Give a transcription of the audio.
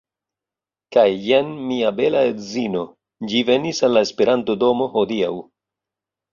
Kaj jen mia bela edzino, ĝi venis al la Esperanto-domo hodiaŭ.